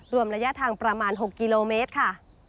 รวมระยะทางประมาณ๖กิโลเมตรค่ะ